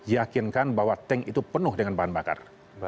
yakinkan bahwa tank itu penuh dengan bahan bakar